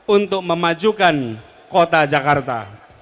untuk memajukan kota jakarta